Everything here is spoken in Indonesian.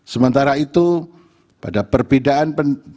sementara itu pada perbedaan pendapat